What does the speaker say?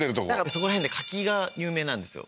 そこら辺って柿が有名なんですよ